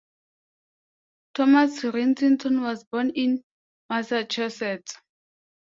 Thomas Wrightington was born in Massachusetts.